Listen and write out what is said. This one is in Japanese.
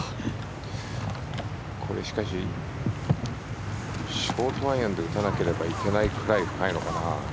これ、しかしショートアイアンで打たないといけないぐらい深いのかな。